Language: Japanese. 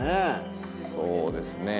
そうですね。